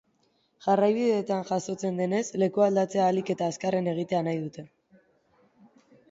Jarraibideetan jasotzen denez, lekualdatzea ahalik eta azkarren egitea nahi dute.